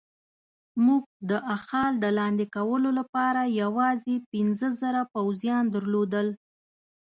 موږ د اخال د لاندې کولو لپاره یوازې پنځه زره پوځیان درلودل.